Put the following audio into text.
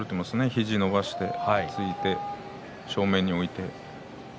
肘を伸ばして突いて正面に置いて。